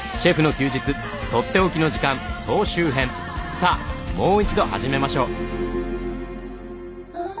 さあもう一度始めましょう。